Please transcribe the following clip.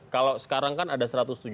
kalau sekarang kan ada satu ratus tujuh puluh